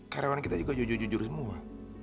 karyawan kita juga jujur jujur semua